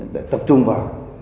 để tập trung vào